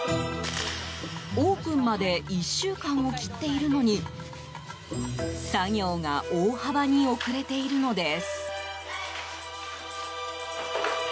オープンまで１週間を切っているのに作業が大幅に遅れているのです。